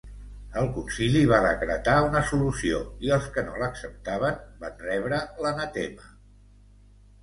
El concili va decretar una solució i els que no l'acceptaven van rebre l'anatema.